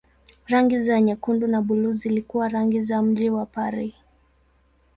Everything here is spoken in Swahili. Rangi za nyekundu na buluu zilikuwa rangi za mji wa Paris.